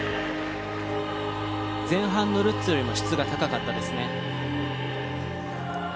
前半のルッツよりも質が高かったですね。